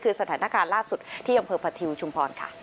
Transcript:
คือสถานการณ์ล่าสุดที่อำเภอพทิวชุมพรค่ะ